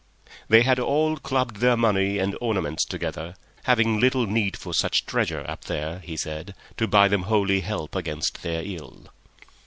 They had all clubbed their money and ornaments together, having little need for such treasure up there, he said, to buy them holy help against their ill.